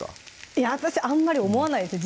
いや私あんまり思わないです